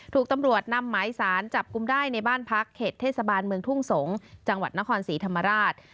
ถูกตำรวจนำหมายสารจับกุมได้ในบ้านพักเขตเทศบาลเมืองทุ่งสงศ์จังหวัดนครศรีธรรมราช